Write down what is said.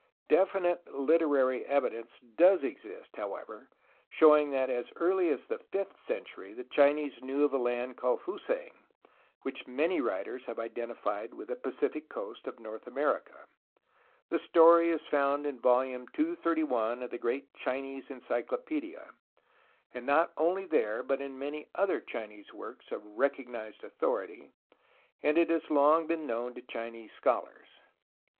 Definite literary evidence does exist, however, showing that as early as the fifth cen tury the Chinese knew of a land called Fusang, which many writers have identified with the Pacific coast of North America. The story is found in volume 231 of the great THE CHINESE ALONG THE COAST IN ANCIENT TIMES 25 Chinese encyclopedia, and not only there but in many other Chinese works of recognized authority and has long been known to Chinese scholars.